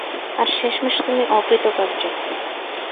আর শেষমেশ তুমি অকৃতকার্য।